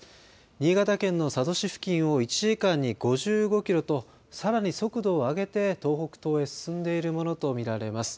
新潟県の佐渡市付近を１時間に５５キロとさらに速度を上げて東北東へ進んでいるものとみられます。